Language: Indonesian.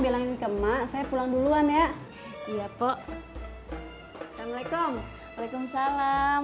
bilangin ke maksa pulang duluan ya iya poh assalamualaikum waalaikumsalam